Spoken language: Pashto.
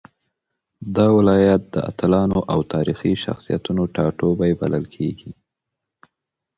دا ولايت د اتلانو او تاريخي شخصيتونو ټاټوبی بلل کېږي.